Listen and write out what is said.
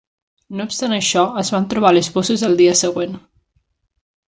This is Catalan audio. No obstant això, es van trobar les bosses al dia següent.